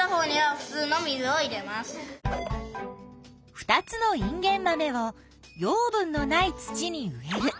２つのインゲンマメを養分のない土に植える。